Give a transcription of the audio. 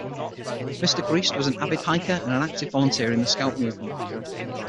Mr. Greist was an avid hiker and an active volunteer in the Scout movement.